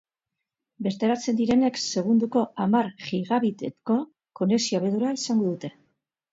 Bertaratzen direnek segundoko hamar gigabiteko konexio-abiadura izango dute.